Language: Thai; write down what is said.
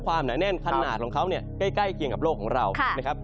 หนาแน่นขนาดของเขาเนี่ยใกล้เคียงกับโลกของเรานะครับ